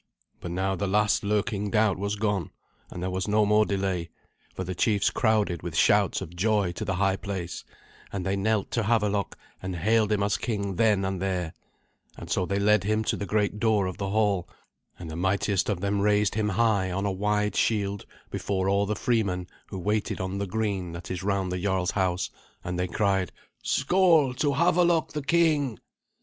But now the last lurking doubt was gone, and there was no more delay, for the chiefs crowded with shouts of joy to the high place, and they knelt to Havelok and hailed him as king then and there; and so they led him to the great door of the hall, and the mightiest of them raised him high on a wide shield before all the freemen who waited on the green that is round the jarl's house, and they cried, "Skoal to Havelok the king!"